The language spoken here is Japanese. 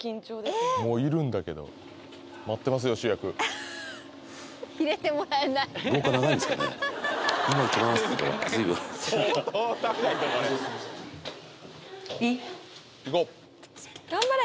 もういるんだけど待ってますよ主役入れてもらえない相当長いぞこれいい？